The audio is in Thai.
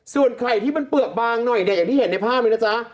ส่วนไข่ที่มันเปลือกบางหน่อยเนี่ยอย่างที่เห็นในภาพเลยนะจ๊ะ